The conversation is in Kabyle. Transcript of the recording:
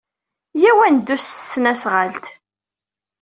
Iyya ad neddu s tesnasɣalt.